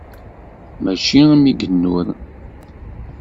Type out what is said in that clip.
Mačči am yigennuren.